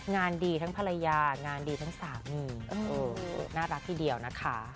งานดีทั้งภรรยางานดีทั้งสามีน่ารักทีเดียวนะคะ